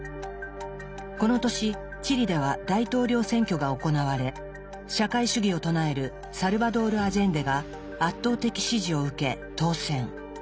この年チリでは大統領選挙が行われ社会主義を唱えるサルバドール・アジェンデが圧倒的支持を受け当選。